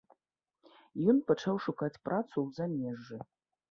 Ён пачаў шукаць працу ў замежжы.